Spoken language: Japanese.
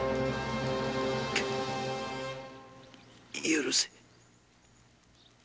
許せ。